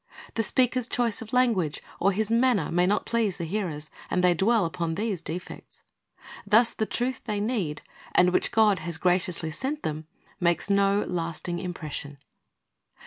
The speaker's choice of hmguage or his manner may not please the hearers, and they dwell upon these defects. Thus the truth they need, and which God has graciously sent them, makes no lasting impression.